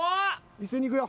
一斉にいくよ。